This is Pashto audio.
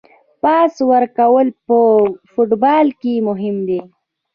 پاس ورکول په فوټبال کې مهم دي.